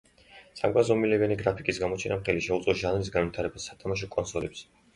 სამგანზომილებიანი გრაფიკის გამოჩენამ ხელი შეუწყო ჟანრის განვითარებას სათამაშო კონსოლებზე.